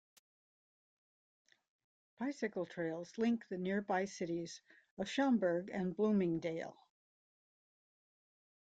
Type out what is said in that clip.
Bicycle trails link the nearby cities of Schaumburg and Bloomingdale.